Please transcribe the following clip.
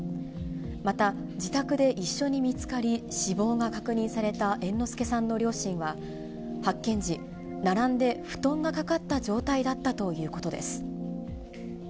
また、自宅で一緒に見つかり、死亡が確認された猿之助さんの両親は、発見時、並んで布団がかかった状態だったということです。